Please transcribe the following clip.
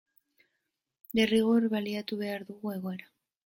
Derrigor baliatu behar dugu egoera.